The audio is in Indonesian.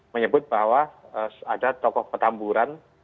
menyebut bahwa ada tokoh petamburan